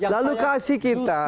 lalu kasih kita